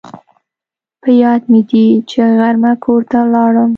په یاد مې دي چې غرمه کور ته ولاړم